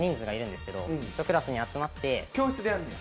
教室でやんねや。